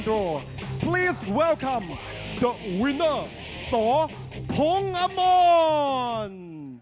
ขอร้องรับรักษาที่สองฟังอำม่อน